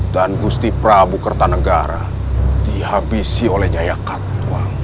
dan gusti prabu kertanegara dihabisi oleh jaya katwang